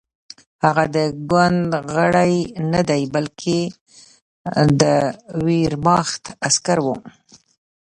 هغه د ګوند غړی نه دی بلکې د ویرماخت عسکر و